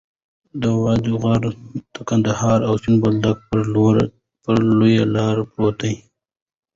د وط غر د قندهار او سپین بولدک پر لویه لار پروت دی.